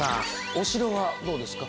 お城はどうですか？